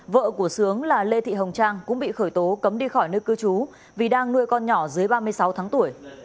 vợ của sướng là lê thị hồng trang cũng bị khởi tố cấm đi khỏi nơi cư trú vì đang nuôi con nhỏ dưới ba mươi sáu tháng tuổi